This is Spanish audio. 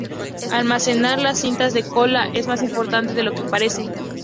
Almacenar las cintas "de cola" es más importante de lo que parece.